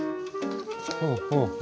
ほうほう。